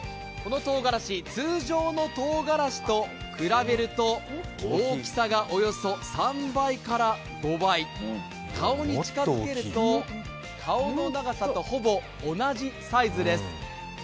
このとうがらし、通常のとうがらしと比べると大きさがおよそ３倍から５倍、顔に近づけると、顔の長さとほぼ同じサイズです。